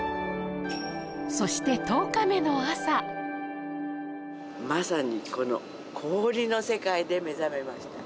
そして１０日目の朝まさにこの氷の世界で目覚めました